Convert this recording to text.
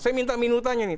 saya minta minutanya nih